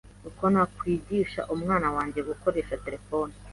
Uko nakwigisha umwana wange gukoresha terefone